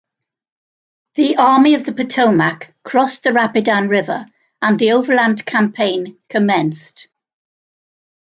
The Army of the Potomac crossed the Rapidan River and the Overland Campaign commenced.